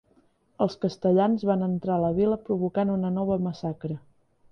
Els castellans van entrar a la vila provocant una nova massacre.